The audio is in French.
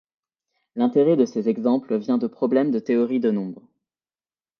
L'intérêt de ces exemples vient de problèmes de théorie des nombres.